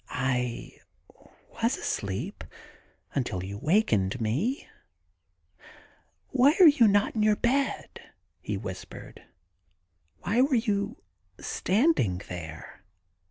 *I was asleep until you wakened me. Why are you not in your bed ?' he whispered. * Why were you standing there?